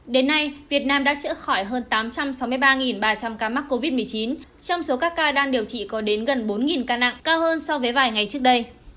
đến nay việt nam đã chữa khỏi hơn tám trăm sáu mươi ba ba trăm linh ca mắc covid một mươi chín trong số các ca đang điều trị có đến gần bốn ca nặng cao hơn so với vài ngày trước đây